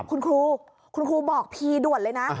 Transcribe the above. คุณครูคุณครูบอกพีด่วนเลยนะ